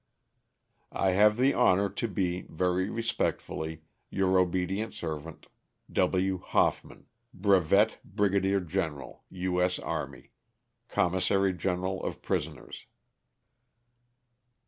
*• I have the honor to be, very respectfully, " Your obedient servant, *' W. HOFFMAN, ^' Brevet Brigadier General U. S. Army, Commissary General of Prisoners.''